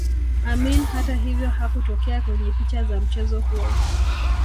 Amin hatahivyo hakutokea kwenye picha za mchezo huo